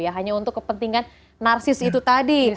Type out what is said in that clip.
hanya untuk kepentingan narsis itu tadi